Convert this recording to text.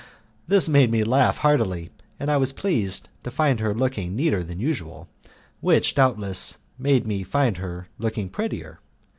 This made me laugh heartily, and I was pleased to find her looking neater than usual, which, doubtless, made me find her looking prettier.